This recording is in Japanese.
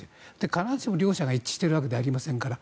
必ずしも両者が一致しているわけではありませんから。